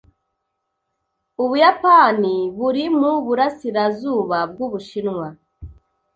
Ubuyapani buri mu burasirazuba bw'Ubushinwa.